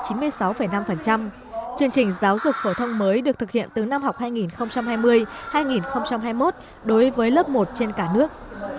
chương trình giáo dục phổ thông mới được thực hiện từ năm học hai nghìn hai mươi hai nghìn hai mươi một đối với lớp một trên cả nước